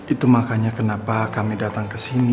itu makanya kenapa kami datang kesini